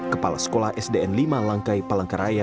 kepala sekolah sdn lima langkai palangkaraya